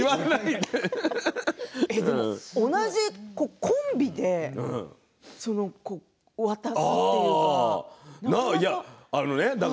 でも同じコンビで渡すっていうのは。